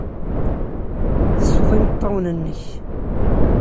Sfeḍ imeṭṭawen-nnek.